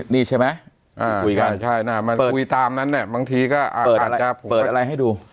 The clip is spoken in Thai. นี่ใช่ไหมคุยกันใช่คุยตามนั้นบางทีก็อาจจะเปิดอะไรให้ดู